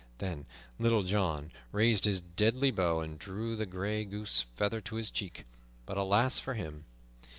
Then Little John raised his deadly bow and drew the gray goose feather to his cheek. But alas for him!